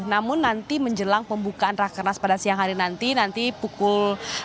namun nanti menjelang pembukaan rakernas pada siang hari nanti nanti pukul